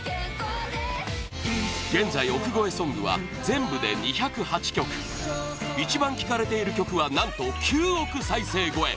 現在、億超えソングは全部で２０８曲一番聴かれている曲は何と９億再生超え！